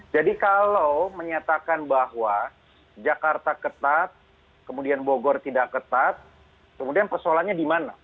jadi kalau menyatakan bahwa jakarta ketat kemudian bogor tidak ketat kemudian persoalannya di mana